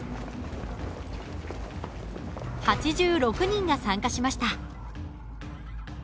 ８６人が参加しました。